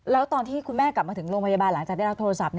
แล้วตอนที่คุณแม่กลับมาถึงโรงพยาบาลหลังจากได้รับโทรศัพท์